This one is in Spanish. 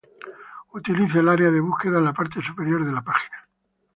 Utilice el área de búsqueda en la parte superior de la página.